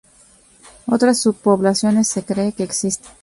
Otras subpoblaciones se cree que existe.